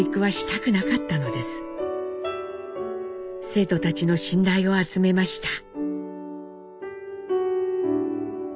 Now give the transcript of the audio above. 生徒たちの信頼を集めました。